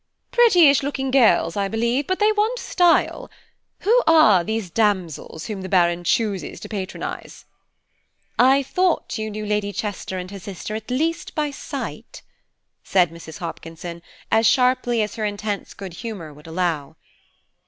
" "Prettyish looking girls, I believe, but they want style. Who are these damsels whom the Baron chooses to patronise?" "I thought you knew Lady Chester and her sister at least by sight," said Mrs. Hopkinson, as sharply as her intense good humour would allow.